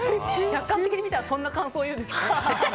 客観的に見たらそんな感想を言うんですね。